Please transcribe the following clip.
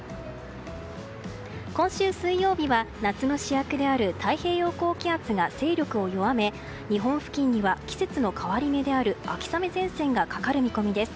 今週水曜日は夏の主役である太平洋高気圧が勢力を弱め、日本付近には季節の変わり目である秋雨前線がかかる見込みです。